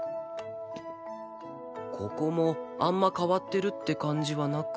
ここもあんま変わってるって感じはなく